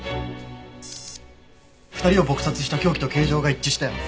２人を撲殺した凶器と形状が一致したよ。